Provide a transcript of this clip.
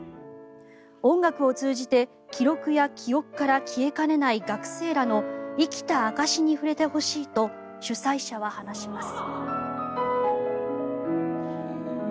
音楽を通じて記録や記憶から消えかねない学生らの生きた証しに触れてほしいと主催者は話します。